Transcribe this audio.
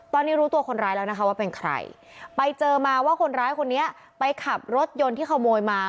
ตอนนี้รู้ตัวคนร้ายแล้วนะคะว่าเป็นใครไปเจอมาว่าคนร้ายคนนี้ไปขับรถยนต์ที่ขโมยมา